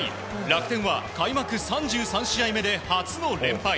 楽天は開幕３３試合目で初の連敗。